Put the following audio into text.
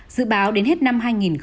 dự báo đến hết năm hai nghìn hai mươi